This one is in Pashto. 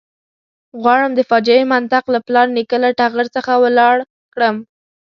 غواړم د فاجعې منطق له پلار نیکه له ټغر څخه ولاړ کړم.